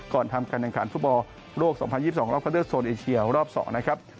ก่อนทำการแบ่งขันฟุตบอลโลก๒๐๒๒รอบพระเจ้าโซนเอเชียรอบ๒นะครับ